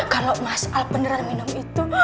kalau mas al beneran minum itu